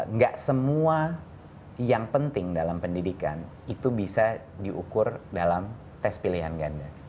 nggak semua yang penting dalam pendidikan itu bisa diukur dalam tes pilihan ganda